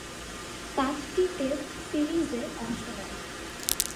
পাঁচটি টেস্ট সিরিজে অংশ নেন।